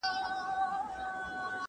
یا لاره جوړوي یا لاره مومي.